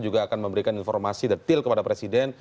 juga akan memberikan informasi detil kepada presiden